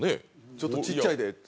「ちょっとちっちゃいで」